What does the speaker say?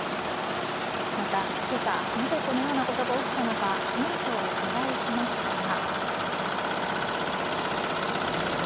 また、今朝なぜこのようなことが起きたのか園長を取材しましたが。